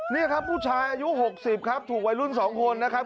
นี่ครับผู้ชายอายุ๖๐ครับถูกวัยรุ่น๒คนนะครับ